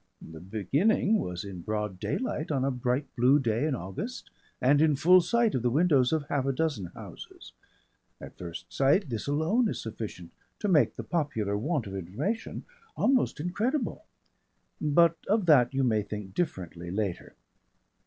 The beginning was in broad daylight on a bright blue day in August and in full sight of the windows of half a dozen houses. At first sight this alone is sufficient to make the popular want of information almost incredible. But of that you may think differently later.